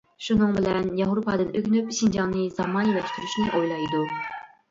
شۇنىڭ بىلەن ياۋروپادىن ئۆگىنىپ شىنجاڭنى زامانىۋىلاشتۇرۇشنى ئويلايدۇ.